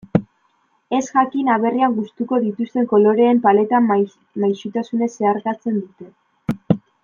Ezjakin aberrian gustuko dituzten koloreen paleta maisutasunez zeharkatzen dute.